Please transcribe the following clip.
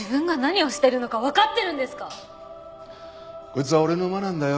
こいつは俺の馬なんだよ。